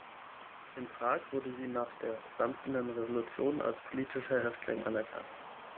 In Prag wurde sie nach der samtenen Revolution als politischer Häftling anerkannt.